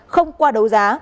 không qua đấu giá